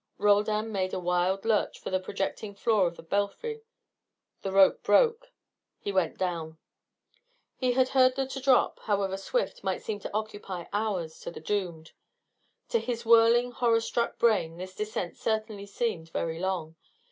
Roldan made a wild lurch for the projecting floor of the belfry. The rope broke. He went down. He had heard that a drop, however swift, might seem to occupy hours to the doomed. To his whirling horror struck brain this descent certainly seemed very long.